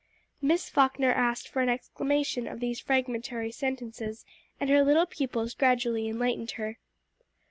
Miss Falkner asked for an explanation of these fragmentary sentences, and her little pupils gradually enlightened her.